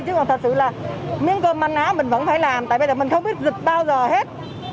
chứ còn thật sự là miếng cơm manh áo mình vẫn phải làm tại bây giờ mình không biết dịch bao giờ hết